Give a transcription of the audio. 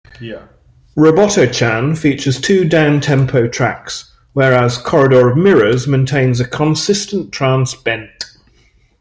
"Robot-O-Chan" features two down-tempo tracks, whereas "Corridor of Mirrors" maintains a consistent trance bent.